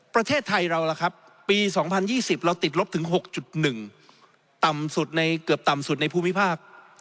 ประเทศไทยเราล่ะครับปี๒๐๒๐เราติดลบถึง๖๑ต่ำสุดในเกือบต่ำสุดในภูมิภาค